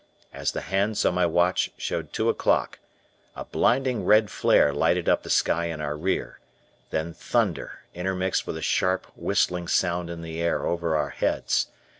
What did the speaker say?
As the hands on my watch showed two o'clock, a blinding red flare lighted up the sky in our rear, then thunder, intermixed with a sharp, whistling sound in the air over our heads.